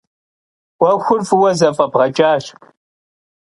'uexur f'ıue zef'ebğeç'aş.